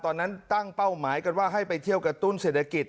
ตอนนั้นตั้งเป้าหมายกันว่าให้ไปเที่ยวกระตุ้นเศรษฐกิจ